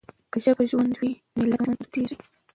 که ژبه ژوندۍ وي نو ملت ژوندی پاتې کېږي.